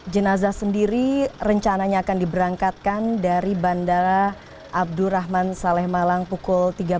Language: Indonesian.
jenazah sendiri rencananya akan diberangkatkan dari bandara abdurrahman saleh malang pukul tiga belas